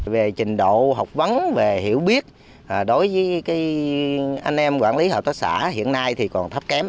về trình độ học vấn về hiểu biết đối với anh em quản lý hợp tác xã hiện nay thì còn thấp kém